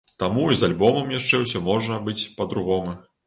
Таму і з альбомам яшчэ усё можа быць па-другому.